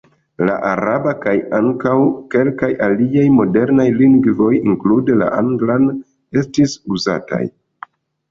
La araba kaj ankaŭ kelkaj aliaj modernaj lingvoj (inklude la anglan) estis uzataj.